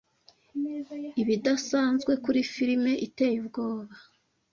Ibidasanzwe kuri film iteye ubwoba